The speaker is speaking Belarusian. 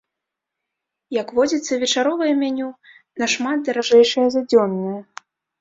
Як водзіцца, вечаровае меню нашмат даражэйшае за дзённае.